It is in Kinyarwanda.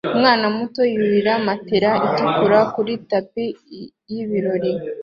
Umwana muto yurira matela itukura kuri tapi y'ibirori